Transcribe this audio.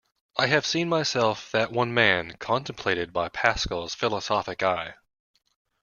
I have seen myself that one man contemplated by Pascal's philosophic eye.